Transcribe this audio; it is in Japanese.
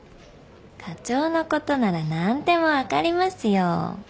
「課長のことなら何でも分かりますよ」